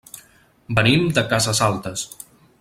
Venim de Casas Altas.